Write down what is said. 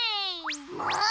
もう。